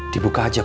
dibuka aja pak